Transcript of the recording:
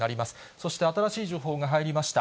そして新しい情報が入りました。